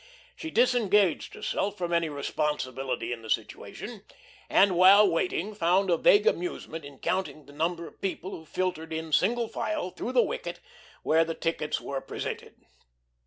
She disengaged herself from any responsibility in the situation and, while waiting, found a vague amusement in counting the number of people who filtered in single file through the wicket where the tickets were presented.